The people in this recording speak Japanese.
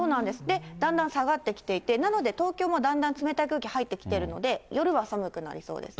で、だんだん下がってきていて、なので、東京もだんだん冷たい空気入ってきてるので、夜は寒くなりそうですね。